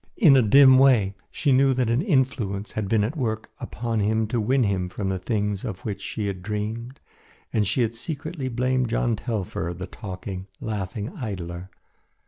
In a dim way she knew that an influence had been at work upon him to win him from the things of which she had dreamed and she had secretly blamed John Telfer, the talking, laughing idler.